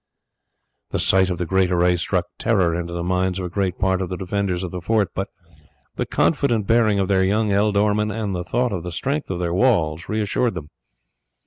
The sight of the great array struck terror into the minds of a great part of the defenders of the fort; but the confident bearing of their young ealdorman and the thought of the strength of their walls reassured them.